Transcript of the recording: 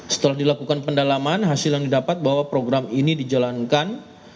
setelah dilakukan pendalaman hasil yang didapat bahwa program ini dijalankan